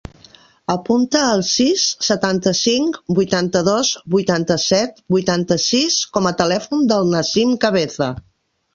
Apunta el sis, setanta-cinc, vuitanta-dos, vuitanta-set, vuitanta-sis com a telèfon del Nassim Cabeza.